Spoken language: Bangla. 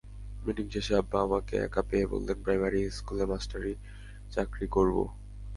মিটিং শেষে আব্বা আমাকে একা পেয়ে বললেন, প্রাইমারি স্কুলে মাস্টারির চাকরি করবু।